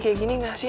kayak gini gak sih